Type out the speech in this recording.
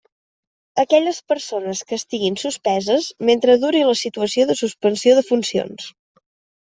Aquelles persones que estiguin suspeses, mentre duri la situació de suspensió de funcions.